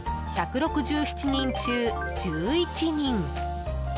１６７人中、１１人。